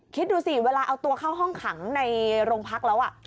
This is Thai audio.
คิดดูสิเวลาเอาตัวเข้าห้องขังในโรงพักแล้ว